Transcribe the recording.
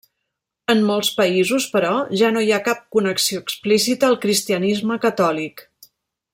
En molts països, però, ja no hi ha cap connexió explícita al cristianisme catòlic.